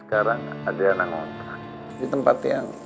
sekarang adriana ngontak di tempat yang